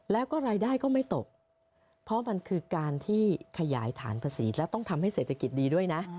แล้วก็รายได้ก็ไม่ตกเพราะมันคือการที่ขยายฐานภาษีแล้วต้องทำให้เศรษฐกิจดีด้วยนะ